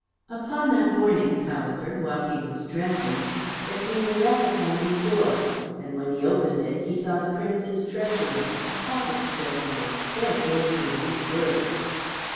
Upon that morning, however, while he was dressing, there came a rap upon his door, and when he opened it he saw the Prince's treasurer, a foppish gentleman, very dainty in his words.